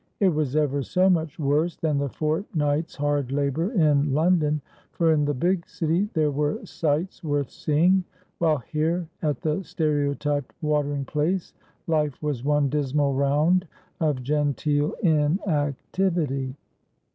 It was ever so' much worse than the fortnight's hard labour in London, for in the big city there were sights worth seeing ; while here, at the stereotyped watering place, life was one dismal round of genteel inactivity.